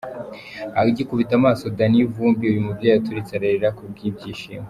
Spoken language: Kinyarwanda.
Agikubita amaso Danny Vumbi, uyu mubyeyi yaturitse ararira ku bw'ibyishimo.